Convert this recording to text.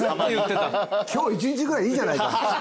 今日１日ぐらいいいじゃないか。